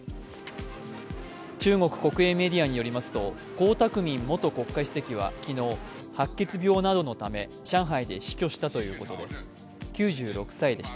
中国国営メディアによりますと江沢民元国家主席は昨日白血病などのため上海で死去したということです。